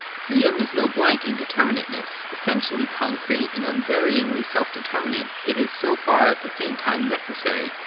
Freedom is no blank indeterminateness : essentially concrete, and unvaryingly self determinate, it is so far at the same time necessary.